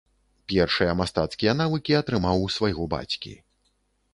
Першыя мастацкія навыкі атрымаў у свайго бацькі.